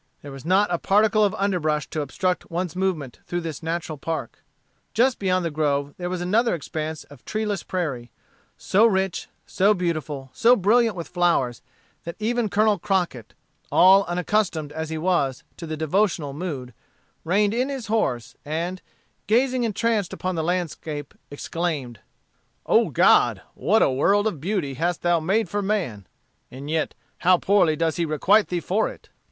There was not a particle of underbrush to obstruct one's movement through this natural park. Just beyond the grove there was another expanse of treeless prairie, so rich, so beautiful, so brilliant with flowers, that even Colonel Crockett, all unaccustomed as he was to the devotional mood, reined in his horse, and gazing entranced upon the landscape, exclaimed: "O God, what a world of beauty hast thou made for man! And yet how poorly does he requite thee for it!